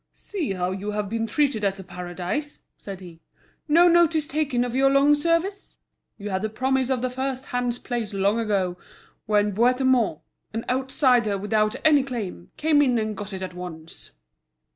"See how you have been treated at The Paradise," said he. "No notice taken of your long service. You had the promise of the first hand's place long ago, when Bouthemont, an outsider without any claim, came in and got it at once."